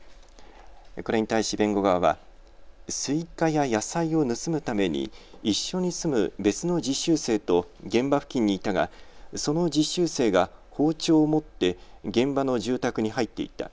これに対し弁護側はすいかや野菜を盗むために一緒に住む別の実習生と現場付近に行ったがその実習生が包丁を持って現場の住宅に入っていった。